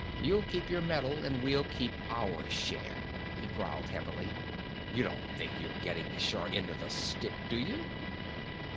You'll keep your medal, and we'll keep our share." He growled heavily, "You don't think you're getting the short end of the stick, do you?"